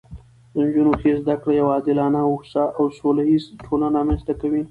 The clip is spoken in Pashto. د نجونو ښې زده کړې یوه عادلانه، هوسا او سوله ییزه ټولنه رامنځته کوي